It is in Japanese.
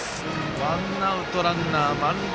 ワンアウト、ランナー満塁。